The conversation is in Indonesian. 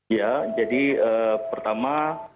ya jadi pertama